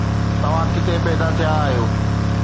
توهان ڪٿي پيدا ٿيا آهيو